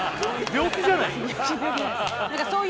病気じゃないです